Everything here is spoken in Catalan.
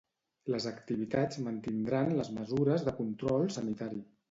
Les activitats mantindran les mesures de control sanitari.